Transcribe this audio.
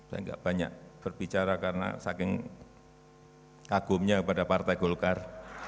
saya tidak banyak berbicara karena saking kagumnya kepada partai golkar